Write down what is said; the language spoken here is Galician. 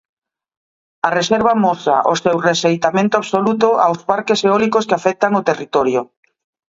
A reserva amosa o seu rexeitamento absoluto aos parques eólicos que afectan o territorio.